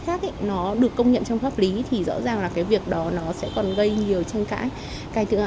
theo mục đích khác nó được công nhận trong pháp lý thì rõ ràng là cái việc đó nó sẽ còn gây nhiều tranh cãi